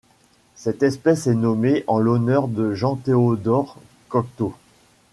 Cette espèce est nommée en l'honneur de Jean Théodore Cocteau.